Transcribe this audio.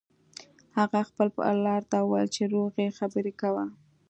هغه خپل پلار ته وویل چې روغې خبرې کوه